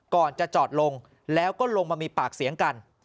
ก่อนจะจอดลงแล้วก็ลงมามีปากเสียงกัน